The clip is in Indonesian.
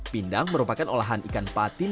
pindang merupakan olahan ikan patin